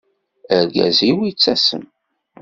Argaz-iw yettasem.